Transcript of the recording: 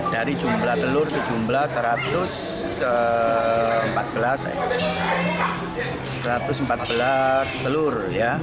dari jumlah telur sejumlah satu ratus empat belas telur